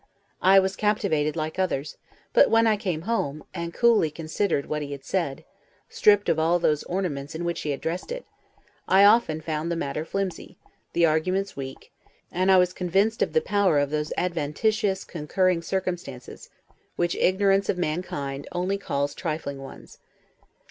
I was captivated like others; but when I came home, and coolly considered what he had said, stripped of all those ornaments in which he had dressed it, I often found the matter flimsy, the arguments weak, and I was convinced of the power of those adventitious concurring circumstances, which ignorance of mankind only calls trifling ones.